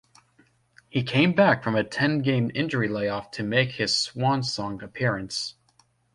He came back from a ten-game injury lay-off to make his swan song appearance.